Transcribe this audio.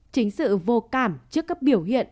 chính sự vô cảm trước các biểu hiện